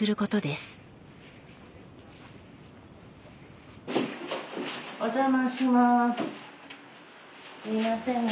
すいませんね。